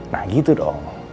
nah gitu dong